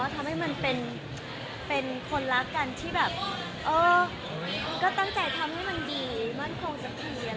ทำให้มันเป็นคนรักกันที่แบบเออก็ตั้งใจทำให้มันดีมั่นคงสักที